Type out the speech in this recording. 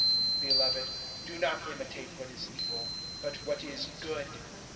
(11)Beloved, do not imitate what is evil, but what is good.